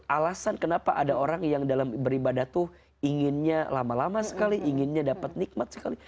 alasan kenapa ada orang yang dalam beribadah tuh inginnya lama lama sekali inginnya dapat nikmat sekali